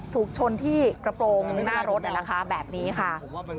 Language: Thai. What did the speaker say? ถูกชนที่กระโปรงหน้ารถนะคะแบบนี้ค่ะ